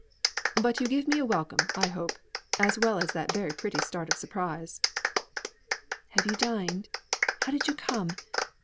"But you give me a welcome, I hope, as well as that very pretty start of surprise." "Have you dined? How did you come?